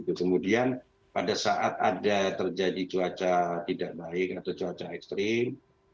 dan kemudian pada saat ada terjadi cuaca tidak baik atau cuaca ekstrim